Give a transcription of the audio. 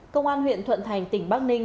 công an huyện thuận thành tỉnh bắc ninh